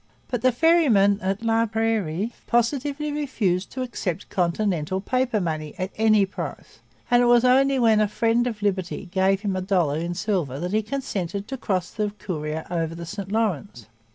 But the ferryman at Laprairie positively refused to accept Continental paper money at any price; and it was only when a 'Friend of Liberty' gave him a dollar in silver that he consented to cross the courier over the St Lawrence.